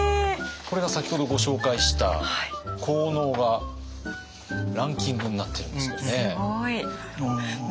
これが先ほどご紹介した効能がランキングになってるんですけどね。